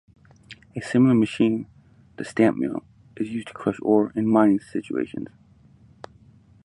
A similar machine, the stamp mill, is used to crush ore in mining situations.